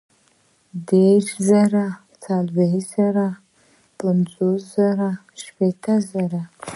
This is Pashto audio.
دېرش زره ، څلوېښت زره ، پنځوس زره ، شپېته زره